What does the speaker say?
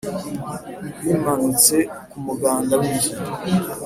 bumanitse kumuganda w'inzu.